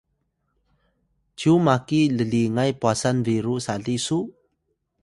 Kumu: cyu maki llingay pwasan biru sali su?